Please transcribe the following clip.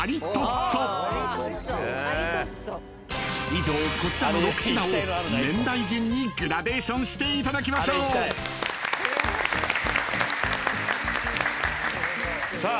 ［以上こちらの６品を年代順にグラデーションしていだきましょう］さあ。